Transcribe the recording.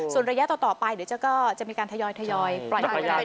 ส่วนระยะต่อไปเดี๋ยวจะก็จะมีการทยอยปล่อย